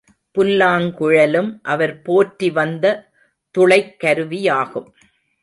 புல்லாங்குழலும் அவர் போற்றி வந்த துளைக்கருவியாகும்.